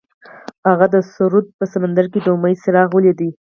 هغه د سرود په سمندر کې د امید څراغ ولید.